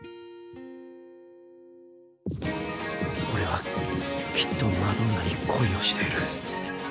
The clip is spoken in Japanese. オレはきっとマドンナに恋をしている！